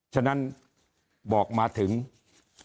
ฉะนั้นบอกมาเท่าไหร่